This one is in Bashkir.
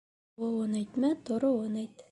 Тыуыуын әйтмә, тороуын әйт.